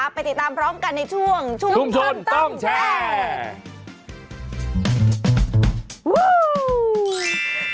ไปติดตามพร้อมกันในช่วงชุมชนต้องแชร์